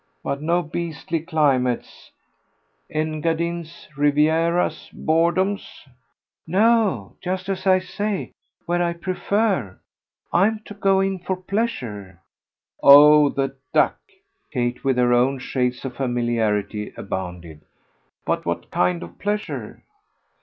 "But not beastly 'climates' Engadines, Rivieras, boredoms?" "No; just, as I say, where I prefer. I'm to go in for pleasure." "Oh the duck!" Kate, with her own shades of familiarity, abounded. "But what kind of pleasure?"